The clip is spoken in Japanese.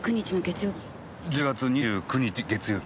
１０月２９日の月曜日。